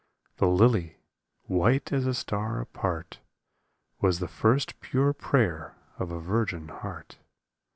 The lily, white as a star apart, Was the first pure prayer of a virgin heart.